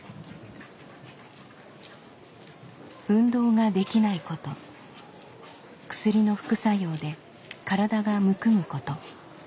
運動ができないこと薬の副作用で体がむくむこと。